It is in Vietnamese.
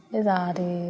bây giờ thì